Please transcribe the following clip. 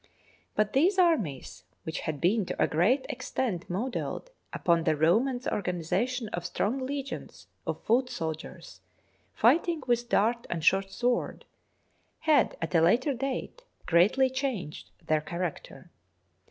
But these armies, which had been to a great ex tent modelled upon the Romans' organisation of strong legions of foot soldiers fighting with dart and short sword, had, at a later date, greatly changed their character.